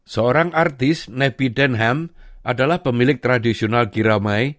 seorang artis neppy denham adalah pemilik tradisional kiramai